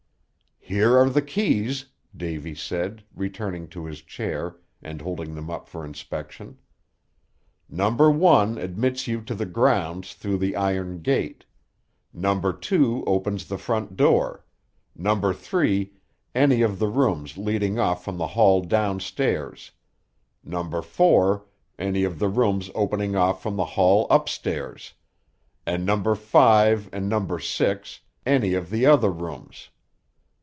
"Here are the keys," Davy said, returning to his chair, and holding them up for inspection. "Number one admits you to the grounds through the iron gate; number two opens the front door; number three, any of the rooms leading off from the hall down stairs; number four, any of the rooms opening off from the hall up stairs; and number five and number six, any of the other rooms.